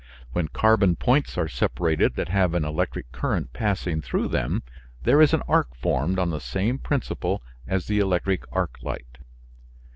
When carbon points are separated that have an electric current passing through them, there is an arc formed on the same principle as the electric arc light.